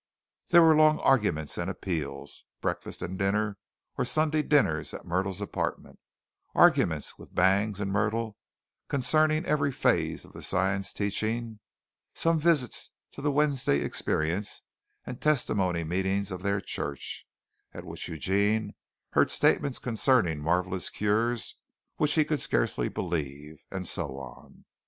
There were long arguments and appeals, breakfast and dinner, or Sunday dinners at Myrtle's apartment, arguments with Bangs and Myrtle concerning every phase of the Science teaching, some visits to the Wednesday experience and testimony meetings of their church, at which Eugene heard statements concerning marvelous cures which he could scarcely believe, and so on.